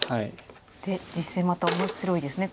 で実戦また面白いですね。